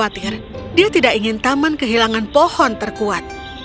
khawatir dia tidak ingin taman kehilangan pohon terkuat